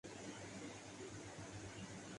حالانکہ وہ بھی ایک فریق کی نمائندگی کر رہے ہیں۔